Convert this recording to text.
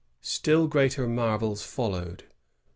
^ Still greater marvels followed.